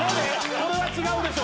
これは違うでしょ